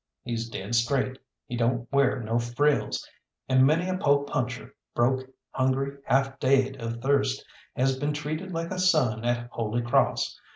He's dead straight, he don't wear no frills, and many a po' puncher, broke, hungry, half daid of thirst, has been treated like a son at Holy Crawss.